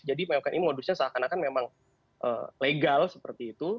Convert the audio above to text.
jadi mewakili modusnya seakan akan memang legal seperti itu